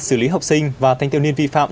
xử lý học sinh và thanh thiếu niên vi phạm